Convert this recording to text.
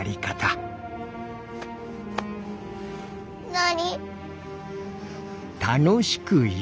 何？